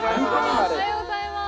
おはようございます。